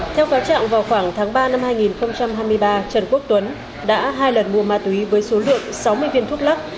theo pháo trạng vào khoảng tháng ba năm hai nghìn hai mươi ba trần quốc tuấn đã hai lần mua ma túy với số lượng sáu mươi viên thuốc lắc